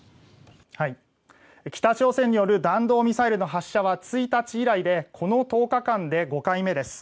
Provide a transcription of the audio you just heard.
北朝鮮による弾道ミサイルの発射は１日以来でこの１０日間で５回目です。